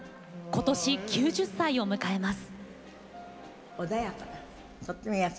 今年９０歳を迎えます。